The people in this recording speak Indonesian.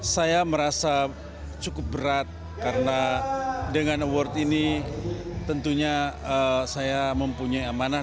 saya merasa cukup berat karena dengan award ini tentunya saya mempunyai amanah